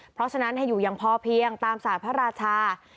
เพราะฉะนั้นให้อยู่อย่างพอเพียงตามศาสตร์พระราชา